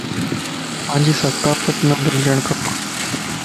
پانجي ثقافت نه بُلجڙ کپا